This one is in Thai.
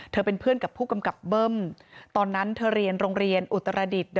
เป็นเพื่อนกับผู้กำกับเบิ้มตอนนั้นเธอเรียนโรงเรียนอุตรดิษฐ์